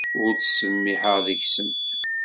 Ur ttsemmiḥeɣ deg-sent.